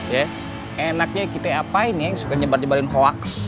ya enaknya kita apain ya yang suka nyebar nyebarin hoax